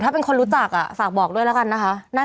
ถ้าเป็นคนรู้จักฝากบอกด้วยแล้วกันนะคะ